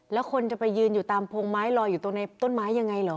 แล้วคนจะไปยืนอยู่ตามโพงไม้ลอยอยู่ตรงในต้นไม้ยังไงเหรอ